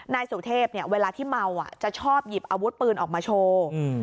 นายสุเทพเนี่ยเวลาที่เมาอ่ะจะชอบหยิบอาวุธปืนออกมาโชว์